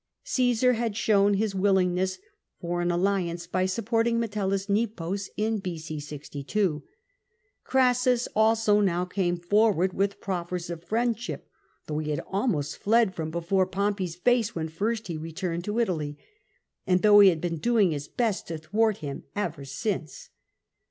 Cicsar had shown his willing ness for an alliance by supporting Metellus Hepos in B.O. 62 ; Crassus also now came forward with proffers of friendship though he had almost fled from before Pompey'g face when first he returned to Italy, and though he had been doing his best to thwart him ever since.